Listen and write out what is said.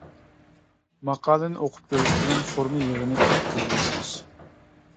ماقالىنى ئوقۇپ كۆرۈش بىلەن خورما يىغىنى تېتىپ كۆرگەيسىز.